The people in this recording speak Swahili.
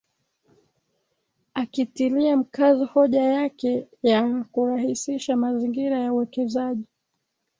Akitilia mkazo hoja yake ya kurahisisha mazingira ya uwekezaji